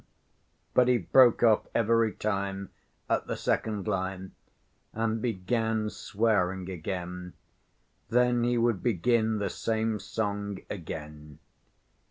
But he broke off every time at the second line and began swearing again; then he would begin the same song again.